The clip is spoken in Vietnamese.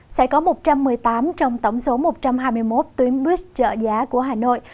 sẽ có một trăm một mươi tám trong tổng số một trăm hai mươi một tuyến buýt trợ giá của hà nội